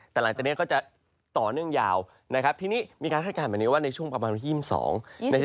แต่หลังจากเนี่ยก็จะต่อเนื่องยาวนะครับเนี่ยคือนี้มีคลับธนการแบบนี้เดียวว่าในช่วงประมาณที่๒๒